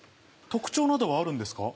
特徴などはあるんですか？